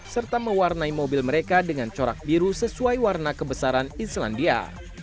serta mewarnai mobil mereka dengan corak biru sesuai warna kebesaran islandia